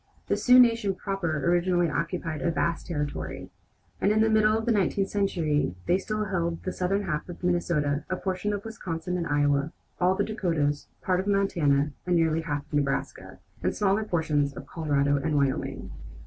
The Sioux nation proper originally occupied a vast territory, and in the middle of the nineteenth century they still held the southern half of Minnesota, a portion of Wisconsin and Iowa, all of the Dakotas, part of Montana, nearly half of Nebraska, and small portions of Colorado and Wyoming.